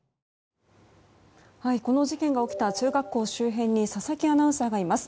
この事件が起きた中学校周辺に佐々木アナウンサーがいます。